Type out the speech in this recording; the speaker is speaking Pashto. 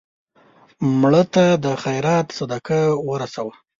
مړه ته د خیرات صدقه ورسوه